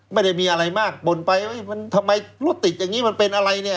ไม่ได้มีอะไรมากบ่นไปมันทำไมรถติดอย่างนี้มันเป็นอะไรเนี่ย